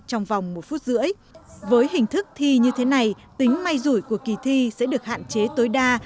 trong vòng một phút rưỡi với hình thức thi như thế này tính may rủi của kỳ thi sẽ được hạn chế tối đa